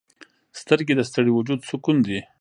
سترګې د ستړي وجود سکون دي